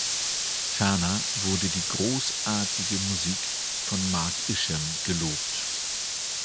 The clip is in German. Ferner wurde die „großartige“ Musik von Mark Isham gelobt.